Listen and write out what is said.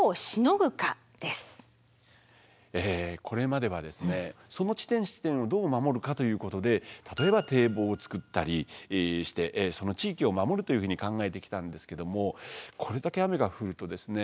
これまではその地点地点をどう守るかということで例えば堤防を造ったりしてその地域を守るというふうに考えてきたんですけどもこれだけ雨が降るとですね